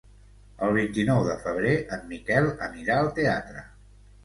El vint-i-nou de febrer en Miquel anirà al teatre.